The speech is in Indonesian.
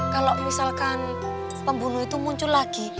kalau misalkan pembunuh itu muncul lagi